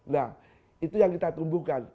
nah itu yang kita tumbuhkan